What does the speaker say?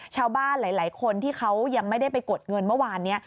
ชาวบ้านหลายคนที่เขายังไม่ได้ไปกดเงินเมื่อวานนี้